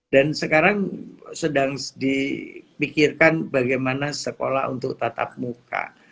dan sekarang sedang dipikirkan bagaimana sekolah untuk tatap muka